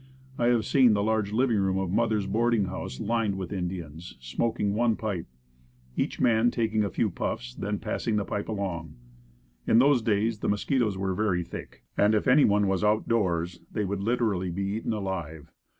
I have seen the large living room of mother's boarding house lined with Indians, smoking one pipe each man taking a few puffs and then passing the pipe along. In those days the mosquitoes were very thick and if anyone was out doors they would literally be eaten alive.